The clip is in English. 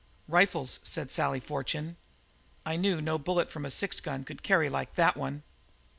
"Rifles," said Sally Fortune. "I knew no bullet from a six gun could carry like that one."